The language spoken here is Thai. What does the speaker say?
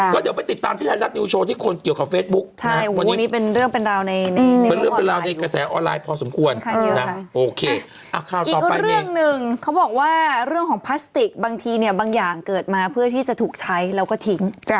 ก็เดี๋ยวไปติดตามที่ธนัดนิวโชว์ที่คนเกี่ยวกับเฟซบุ๊กนะครับวันนี้เป็นเรื่องเป็นราวในกระแสออนไลน์พอสมควรนะโอเคอีกเรื่องนึงเขาบอกว่าเรื่องของพลาสติกบางทีเนี่ยบางอย่างเกิดมาเพื่อที่จะถูกใช้แล้วก็ทิ้ง